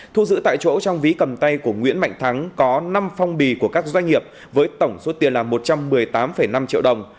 thu giữ tại chỗ trong ví cầm tay của nguyễn mạnh thắng có năm phong bì của các doanh nghiệp với tổng số tiền là một trăm một mươi tám năm triệu đồng